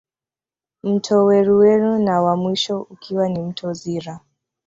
Mto Weruweru na wa mwisho ukiwa ni mto Zira